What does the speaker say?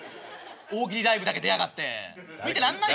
大喜利ライブだけ出やがって見てらんないわ。